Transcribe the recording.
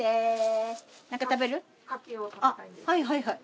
あっはいはいはい。